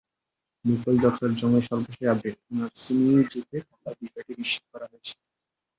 নিখোঁজ ডক্টর জং-এর সর্বশেষ আপডেট, উনার সিনিউইজুতে থাকার বিষয়টি নিশ্চিত করা হয়েছে।